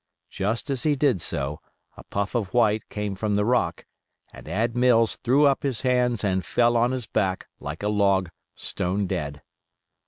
Just as he did so a puff of white came from the rock, and Ad Mills threw up his hands and fell on his back, like a log, stone dead.